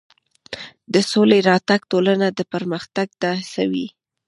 د سولې راتګ ټولنه پرمختګ ته هڅوي.